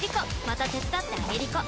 また手伝ってあげりこ！